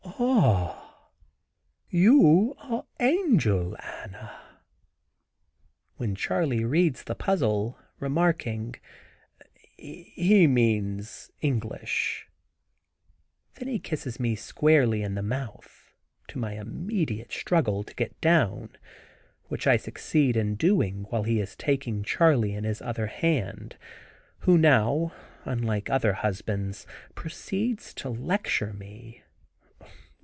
"Ah, you are angel, Anna!" when Charley reads the puzzle, remarking, "He means 'English.'" Then he kisses me squarely in the mouth, to my immediate struggle to get down, which I succeed in doing while he is taking Charley in his other hand, who now, unlike other husbands, proceeds to lecture me.